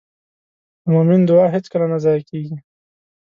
د مؤمن دعا هېڅکله نه ضایع کېږي.